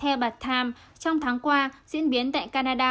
theo therisatham trong tháng qua diễn biến tại canada